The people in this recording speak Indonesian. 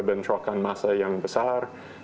bentrokan masa yang besar